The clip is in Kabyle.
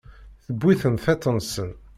Tewwi-ten tiṭ-nsen.